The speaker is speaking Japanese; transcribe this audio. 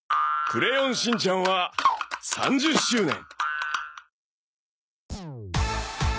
『クレヨンしんちゃん』は３０周年。